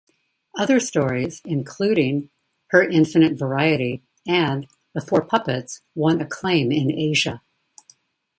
Other stories, including "Her Infinite Variety" and "The Four Puppets", won acclaim in Asia.